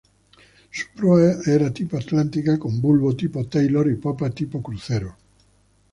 Su proa era tipo atlántica con bulbo tipo Taylor y popa tipo crucero.